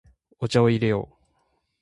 お茶を入れよう。